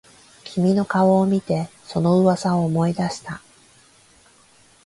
君の顔を見てその噂を思い出した